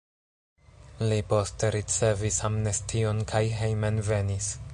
Li poste ricevis amnestion kaj hejmenvenis.